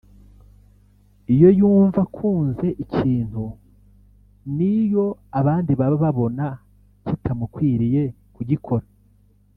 Iyo yumva akunze ikintu niyo abandi baba babona kitamukwiriye kugikora